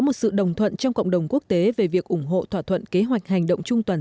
một sự đồng thuận trong cộng đồng quốc tế về việc ủng hộ thỏa thuận kế hoạch hành động chung toàn